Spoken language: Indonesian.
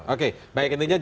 oke baik intinya